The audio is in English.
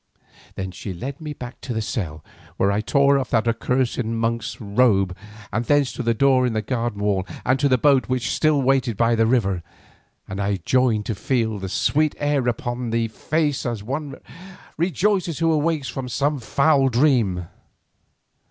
Then she led me back to the cell, where I tore off that accursed monk's robe, and thence to the door in the garden wall and to the boat which still waited on the river, and I rejoiced to feel the sweet air upon my face as one rejoices who awakes from some foul dream.